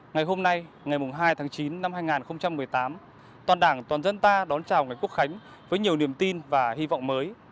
ngày hôm nay ngày hai tháng chín năm hai nghìn một mươi tám toàn đảng toàn dân ta đón chào ngày quốc khánh với nhiều niềm tin và hy vọng mới